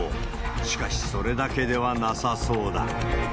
しかし、それだけではなさそうだ。